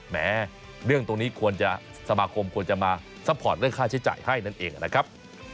แม้เรื่องตรงนี้ควรจะสมาคมควรจะมาซัพพอร์ตเรื่องค่าใช้จ่ายให้นั่นเองนะครับ